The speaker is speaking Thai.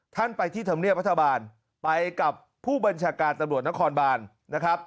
ท่านไปที่ธรรมเนี่ยปรรถบานไปกับผู้เบญชกาแบ่งประสงค์นิดนึง